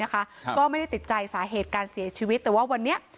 ก็ไม่ได้ติดใจสาเหตุการเสียชีวิตแต่ว่าวันนี้